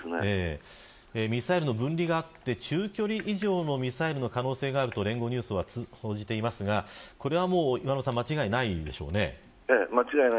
ミサイルの分離があって中距離以上のミサイルの可能性があると聯合ニュースは報じていますが間違いないと思います。